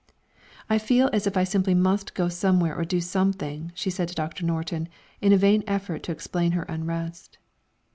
"I feel as if I simply must go somewhere or do something," she said to Doctor Norton, in a vain effort to explain her unrest.